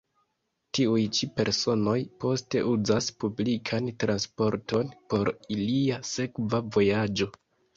Tiuj ĉi personoj poste uzas publikan transporton por ilia sekva vojaĝo.